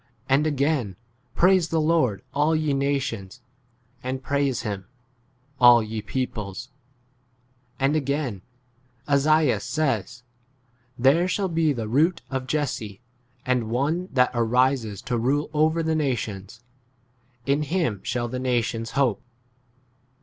And again, Praise the Lord, all [ye] nations, and praise him, all [ye] peoples. 12 And again, Esaias says, There shall be the root of Jesse, and one that arises to rule over [the] nations : in him shall [the] nations hope.